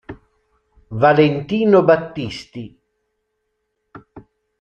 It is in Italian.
Valentino Battisti